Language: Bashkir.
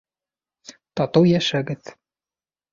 Татыу йәшәгеҙ!